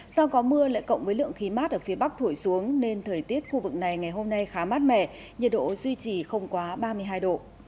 do có mưa lại cộng với lượng khí mát ở phía bắc thổi xuống nên thời tiết khu vực này ngày hôm nay khá mát mẻ nhiệt độ duy trì không quá ba mươi hai độ